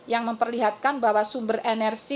yang memperlihatkan bahwa sumber energi